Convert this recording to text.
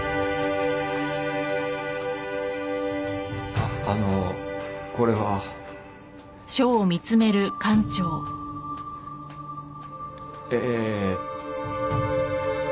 ああのうこれは。えー。